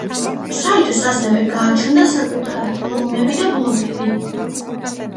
საიტს ასევე გააჩნდა საკუთარი ფორუმები და ბლოგები.